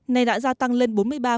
này đã gia tăng lên